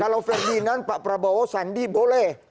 kalau ferdinand pak prabowo sandi boleh